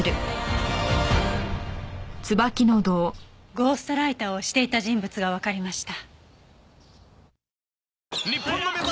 ゴーストライターをしていた人物がわかりました。